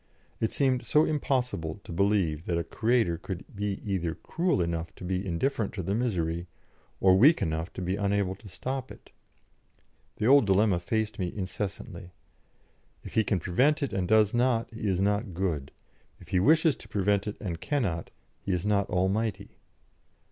It seemed so impossible to believe that a Creator could be either cruel enough to be indifferent to the misery, or weak enough to be unable to stop it. The old dilemma faced me incessantly: "If He can prevent it and does not, He is not good; if He wishes to prevent it and cannot, He is not almighty."